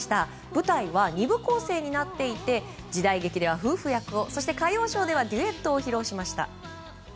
舞台は２部構成になっていて時代劇では夫婦役をそして歌謡ショーではデュエットを披露しました。